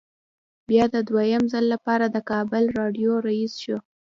بیا د دویم ځل لپاره د کابل راډیو رییس شو.